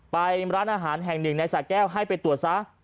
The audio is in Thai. ไปร้านอาหารแห่งหนึ่งในสาแก้วให้ไปตรวจซะ